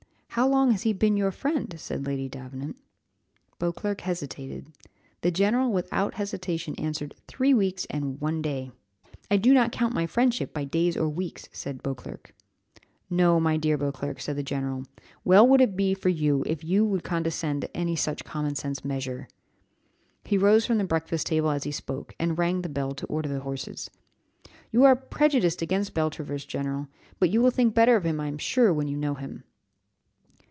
How long has he been your friend?" said Lady Davenant. Beauclerc hesitated. The general without hesitation answered, "Three weeks and one day." "I do not count my friendship by days or weeks," said Beauclerc. "No, my dear Beauclerc," said the general: "well would it be for you if you would condescend to any such common sense measure." He rose from the breakfast table as he spoke, and rang the bell to order the horses. "You are prejudiced against Beltravers, general; but you will think better of him, I am sure, when you know him."